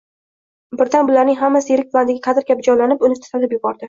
Birdan bularning hammasi yirik plandagi kadr kabi jonla-nib, uni titratib yubordi